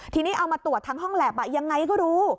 ทีนี้เอามาตรวจทางห้องแล็บยังไงก็รู้